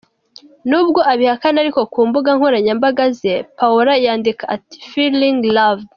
N’ubwo abihakana ariko ku mbuga nkoranyambaga ze, Paola yandikaga ati "Feeling Loved" .